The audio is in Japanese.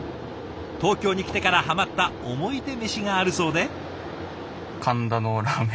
東京に来てからハマったおもいでメシがあるそうで。